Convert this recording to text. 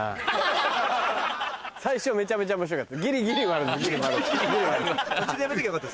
最初めちゃめちゃ面白かった。